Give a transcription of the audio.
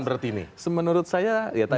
berarti ini menurut saya